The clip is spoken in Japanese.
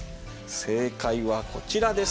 正解はこちらです。